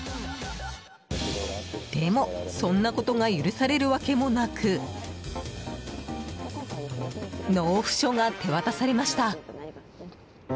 でも、そんなことが許されるわけもなく納付書が手渡されました。